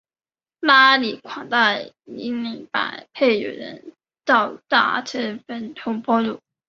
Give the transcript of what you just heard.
拉力款在挡泥板配有人造刹车通风孔。